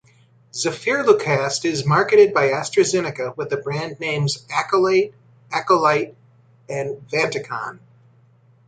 Zafirlukast is marketed by Astra Zeneca with the brand names Accolate, Accoleit, and Vanticon.